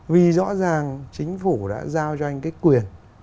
vì rõ ràng chính phủ đã giao cho anh cái quyền